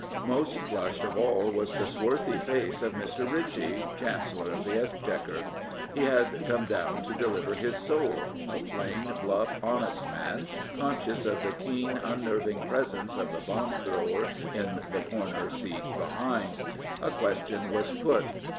Most flushed of all was the swarthy face of Mr. Ritchie, Chancellor of the Exchequer. He had come down to deliver his soul — a plain, bluff, 244 The Speaker honest man, conscious of the keen, unnerving presence of the bomb thrower in the corner seat behind. A question was put.